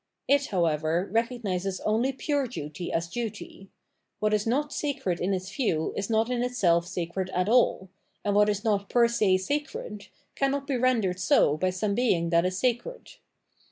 It, however, recognises only pure duty as duty : what is not sacred in its view is not in itself sacred at all, and what is not per se sacred cannot be rendered so by some being that is sacred.